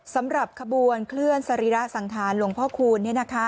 สำหรับขบวนเคลื่อนสรีระสังขารหลวงพ่อคูณ